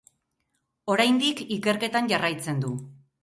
Oraindik ikerketan jarraitzen du.